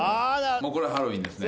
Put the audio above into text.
もうこれはハロウィーンですね。